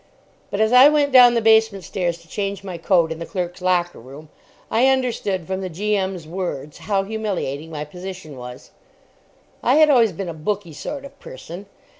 But, as I went down the basement stairs to change my coat in the clerks' locker room, I understood from the G.M.'s words how humiliating my position was. I had always been a booky sort of person.